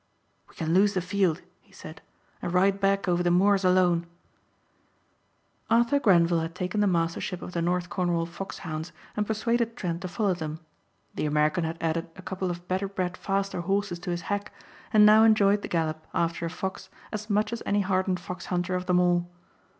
"We can lose the field," he said, "and ride back over the moors alone." Arthur Grenvil had taken the mastership of the North Cornwall Foxhounds and persuaded Trent to follow them. The American had added a couple of better bred faster horses to his hack and now enjoyed the gallop after a fox as much as any hardened foxhunter of them all.